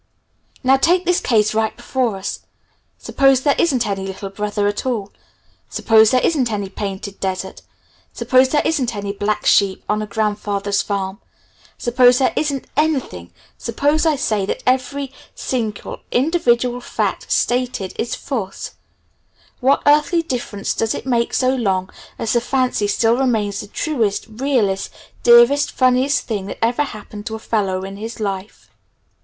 Now take this case right before us. Suppose there isn't any 'little brother' at all; suppose there isn't any 'Painted Desert', suppose there isn't any 'black sheep up on a grandfather's farm', suppose there isn't anything; suppose, I say, that every single, individual fact stated is false what earthly difference does it make so long as the fancy still remains the truest, realest, dearest, funniest thing that ever happened to a fellow in his life?"